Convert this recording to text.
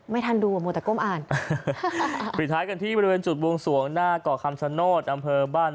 ไม่ทันดูหมดแต่ก้มอ่าน